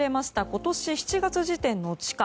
今年７月時点の地価。